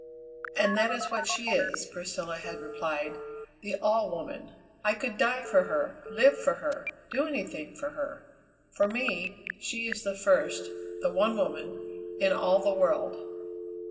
"And that is what she is!" Priscilla had replied, "the All Woman. I could die for her, live for her, do anything for her. For me, she is the first, the one woman, in all the world."